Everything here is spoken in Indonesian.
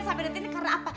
sampai datang ini karena apa